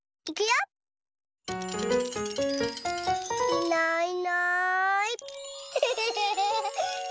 いないいない。